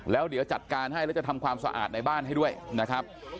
แล้วเดี๋ยวจัดการให้แล้วจะทำความสะอาดในบ้านให้ด้วยนะครับ